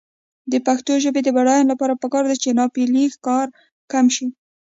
د پښتو ژبې د بډاینې لپاره پکار ده چې ناپییلي ښکار کم شي.